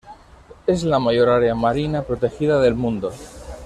Es la mayor área marina protegida del mundo.